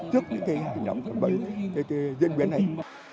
trước những cái diễn biến này